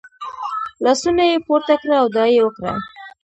لاسونه یې پورته کړه او دعا یې وکړه .